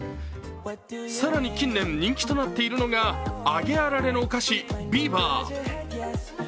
さらに近年、人気となっているのが揚げあられのお菓子・ビーバー。